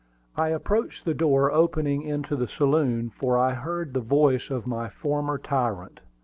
I approached the door opening into the saloon, for I heard the voice of my former tyrant.